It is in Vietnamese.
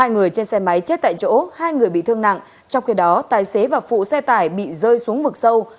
hai người trên xe máy chết tại chỗ hai người bị thương nặng trong khi đó tài xế và phụ xe tải bị rơi xuống vực sâu